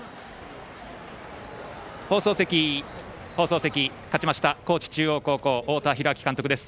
放送席、勝ちました高知中央高校、太田弘昭監督です。